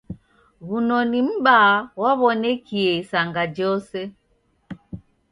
W'unoni m'baa ghwaw'onekie isanga jose.